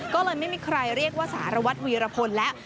ก็เลยไม่มีใครเรียกว่าสารวัตรวีรพลแล้ว